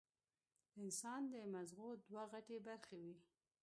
د انسان د مزغو دوه غټې برخې وي